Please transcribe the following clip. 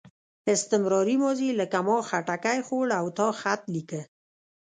استمراري ماضي لکه ما خټکی خوړ او تا خط لیکه.